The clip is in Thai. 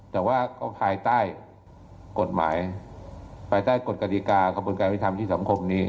แต่ว่าก็ภายใต้กฎหมายภายใต้กฎกฎิกากระบวนการวิทธรรมที่สังคมนี้